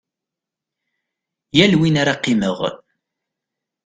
Yal win ara qqimeɣ.